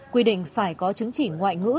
quy định phải có chứng chỉ ngoại ngữ